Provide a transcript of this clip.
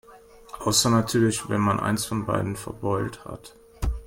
Außer natürlich, wenn man eins von beiden verbeult hat.